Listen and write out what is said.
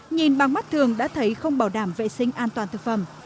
nhìn bằng mắt thường đã thấy không bảo đảm vệ sinh an toàn thực phẩm